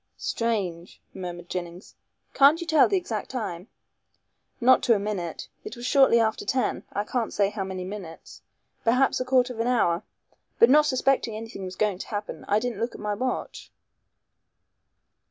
"Strange!" murmured Jennings, "can't you tell the exact time?" "Not to a minute. It was shortly after ten. I can't say how many minutes. Perhaps a quarter of an hour. But not suspecting anything was going to happen, I didn't look at my watch."